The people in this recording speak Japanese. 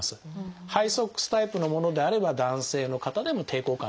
ハイソックスタイプのものであれば男性の方でも抵抗感